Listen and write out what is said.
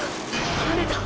はねた！！